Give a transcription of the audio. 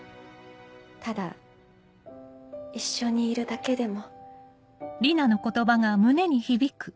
ただ一緒にいるだけでも。